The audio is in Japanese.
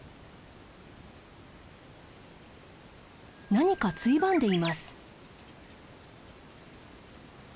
何かついばんでいます。